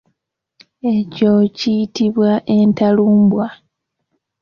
Ekyo kiyitibwa entalumbwa.